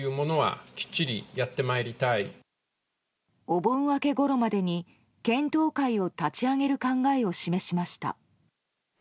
お盆明けごろまでに検討会を立ち上げる考えを示しました。